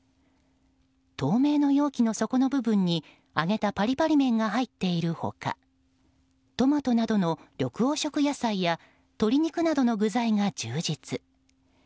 透明の容器の底の部分に揚げたパリパリ麺が入っている他トマトなどの緑黄色野菜や鶏肉などの具材が充実。